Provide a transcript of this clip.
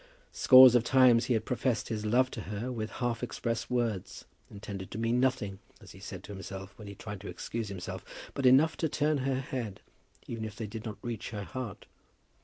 Scores of times he had professed his love to her with half expressed words, intended to mean nothing, as he said to himself when he tried to excuse himself, but enough to turn her head, even if they did not reach her heart.